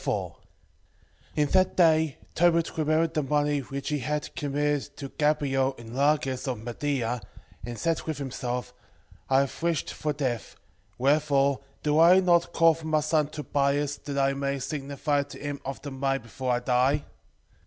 4:1 In that day Tobit remembered the money which he had committed to Gabael in Rages of Media, 4:2 And said with himself, I have wished for death; wherefore do I not call for my son Tobias that I may signify to him of the money before I die?